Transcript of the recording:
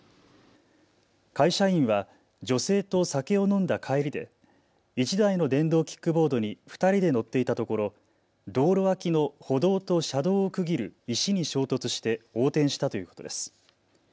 会社員は女性と酒を飲んだ帰りで１台の電動キックボードに２人で乗っていたところ道路脇の歩道と車道を区切る石に衝突して横転したということです。